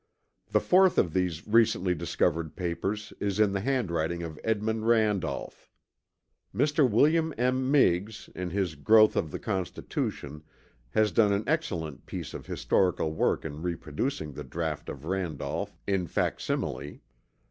The fourth of these recently discovered papers is in the handwriting of Edmund Randolph. Mr. William M. Meigs in his Growth of the Constitution has done an excellent piece of historical work in reproducing the draught of Randolph in facsimile.